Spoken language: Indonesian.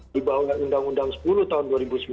di bawah undang undang sepuluh tahun dua ribu sembilan